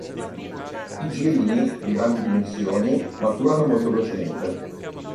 I girini, di grandi dimensioni, maturano molto velocemente.